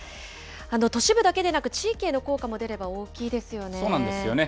都市部だけでなく、地域への効果そうなんですよね。